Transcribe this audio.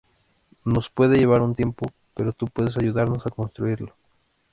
Nos puede llevar un tiempo, pero tú puedes ayudarnos a construirlo".